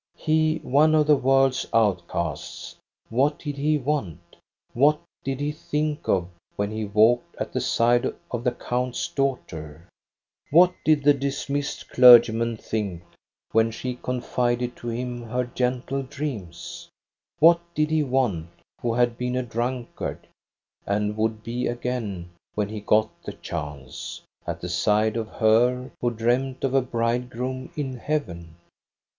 He, one of the world's outcasts, what did he want, what did he think of when he walked at the side of the count's daughter? What did the dis 15 226 THE STORY OF GOSTA BERUNG missed clergyman think when she confided to him her gentle dreams? What did he want, who had been a drunkard, and would be again when he got the chance, at the side of her who dreamed of a bridegroom in heaven?